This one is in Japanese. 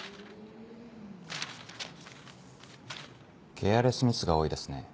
ケアレスミスが多いですね。